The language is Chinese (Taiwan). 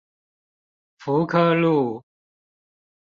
福科路